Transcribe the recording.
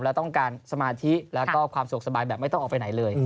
และต้องการสมาธิแล้วก็ความสะดวกสบายแบบไม่ต้องออกไปไหนเลย